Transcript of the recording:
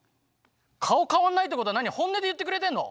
顔変わんないってことは何本音で言ってくれてんの？